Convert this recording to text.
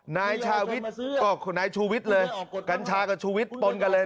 นายชูวิทย์เลยกัญชากับชูวิทย์ปนกันเลย